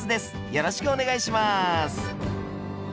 よろしくお願いします。